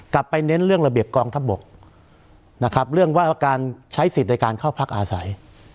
ไปเน้นเรื่องระเบียบกองทัพบกนะครับเรื่องว่าการใช้สิทธิ์ในการเข้าพักอาศัย